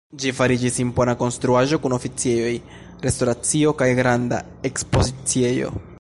Ĝi fariĝis impona konstruaĵo kun oficejoj, restoracio kaj granda ekspoziciejo.